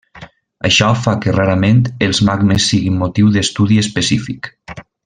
Això fa que rarament els magmes siguin motiu d'estudi específic.